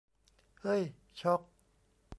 เฮ้ย ช็อค